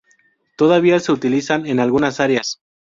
Todavía se utilizan en algunas áreas.